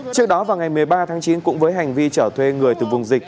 trước đó vào ngày một mươi ba tháng chín cũng với hành vi chở thuê người từ vùng dịch